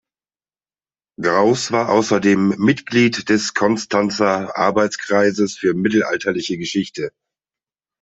Graus war außerdem Mitglied des Konstanzer Arbeitskreises für mittelalterliche Geschichte.